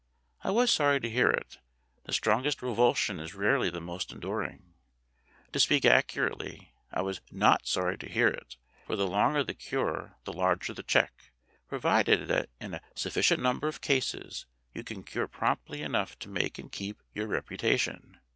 I was sorry to hear it ; the strongest revulsion is rarely the most enduring. To speak accurately, I was not sorry to hear it, for the longer the cure the larger the cheque provided that in a sufficient number of cases you can cure promptly enough to make and keep your reputation.